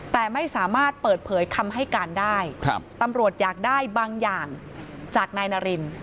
แต่ไม่สามารถเปิดเผยคำให้การได้ตำรวจอยากได้บางอย่างจากนายนาริน